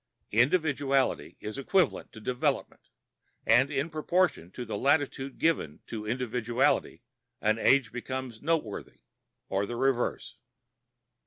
Individuality is equivalent to development, and in proportion to the latitude given to individuality an age becomes noteworthy or the reverse.